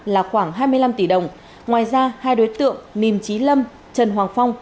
là khoảng hai mươi năm tỷ đồng ngoài ra hai đối tượng mìm chí lâm trần hoàng phong